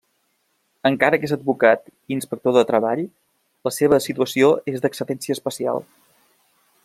Encara que és advocat i inspector de Treball la seva situació és d'excedència especial.